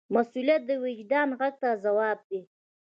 مسؤلیت د وجدان غږ ته ځواب دی.